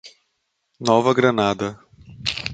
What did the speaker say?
Nova Granada